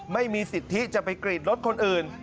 ไม่มีสิทธิจะไปกรีดรถคนอื่น